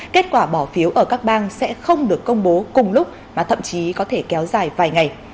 kết quả bỏ phiếu ở các bang sẽ không được công bố cùng lúc mà thậm chí có thể kéo dài vài ngày